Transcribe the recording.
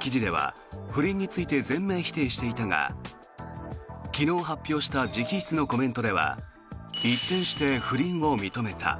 記事では不倫について全面否定していたが昨日発表した直筆のコメントでは一転して不倫を認めた。